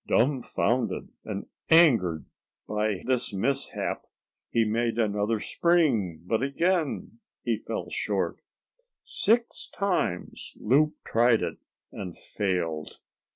Dumbfounded and angered by this mishap, he made another spring, but again he fell short. Six times Loup tried it, and failed.